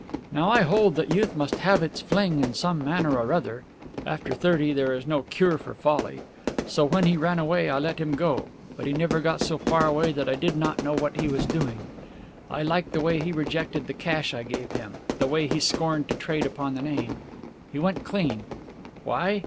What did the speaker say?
Now I hold that youth must have its fling in some manner or other; after thirty there is no cure for folly. So when he ran away I let him go; but he never got so far away that I did not know what he was doing. I liked the way he rejected the cash I gave him; the way he scorned to trade upon the name. He went clean. Why?